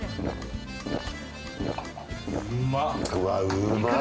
うまっ。